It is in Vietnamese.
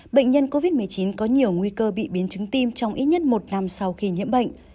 bệnh nhân covid một mươi chín có nhiều nguy cơ bị biến chứng tim trong ít nhất một năm sau khi nhiễm bệnh